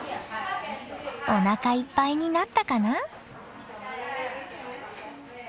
おなかいっぱいになったかな？